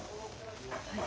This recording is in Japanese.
はい。